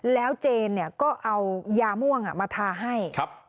แล้วเจนก็เอายาม่วงมาทาให้